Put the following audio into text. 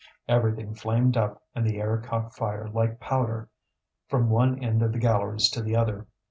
Everything flamed up and the air caught fire like powder, from one end of the galleries to the other.